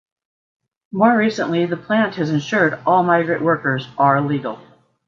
More recently the plant has ensured all migrant workers are legal.